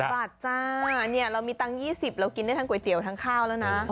บาทจ้าเนี่ยเรามีตังค์๒๐เรากินได้ทั้งก๋วยเตี๋ยวทั้งข้าวแล้วนะ